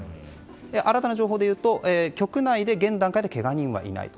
新たな情報でいうと局内で現段階でけが人はいないと。